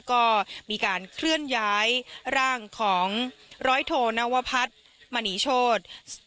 ก็มีการเคลื่อนย้ายร่างของร้อยโทนวพัฒน์มณีโชธ